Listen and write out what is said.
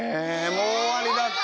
もう終わりだって。